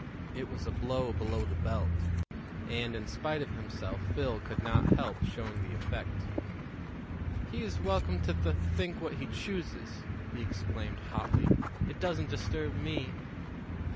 It was a blow below the belt, and, in spite of himself, Phil could not help showing the effect. "He's welcome to th think what he chooses," he exclaimed hotly; "it doesn't disturb me."